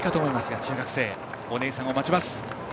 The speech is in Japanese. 中学生がお姉さんを待ちます。